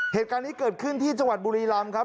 เหตุการณ์นี้เกิดขึ้นที่จังหวัดบุรีรำครับ